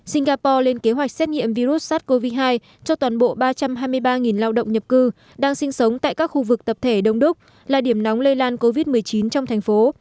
singapore lên kế hoạch xét nghiệm virus sars cov hai cho toàn bộ ba trăm hai mươi ba lao động nhập cư đang sinh sống tại các khu vực tập thể đông đúc là điểm nóng lây lan covid một mươi chín trong thành phố